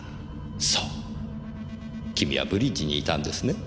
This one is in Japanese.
そう君はブリッジにいたんですね。